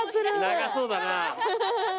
長そうだな。